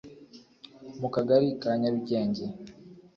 mu Kagari ka Nyarugenge